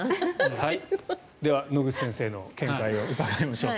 では、野口先生の見解を伺いましょう。